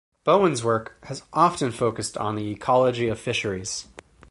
Bowen's work has often focused on the ecology of fisheries.